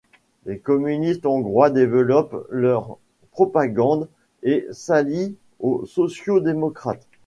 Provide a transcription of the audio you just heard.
Les communistes hongrois développent leur propagande et s'allient aux sociaux-démocrates.